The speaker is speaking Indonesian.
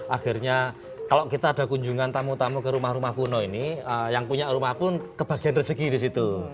akhirnya kalau kita ada kunjungan tamu tamu ke rumah rumah kuno ini yang punya rumah pun kebagian rezeki di situ